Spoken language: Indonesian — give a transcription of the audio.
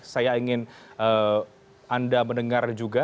saya ingin anda mendengar juga